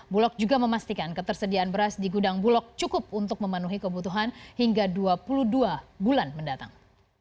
bulog juga memastikan ketersediaan beras di gudang bulog cukup untuk memenuhi kebutuhan hingga dua puluh dua bulan mendatang